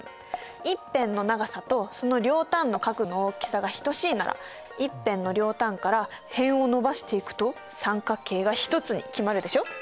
１辺の長さとその両端の角の大きさが等しいなら１辺の両端から辺を伸ばしていくと三角形が一つに決まるでしょ。